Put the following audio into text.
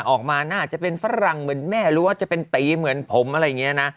ออกมาน่าจะเป็นฝรั่งเหมือนแม่รู้ว่าจะเป็นตีเหมือนผมอะไรอย่างนี้นะ